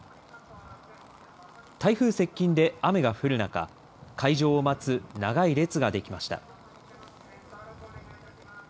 台風接近で雨が降る中、開場を待つ長い列が出来ました。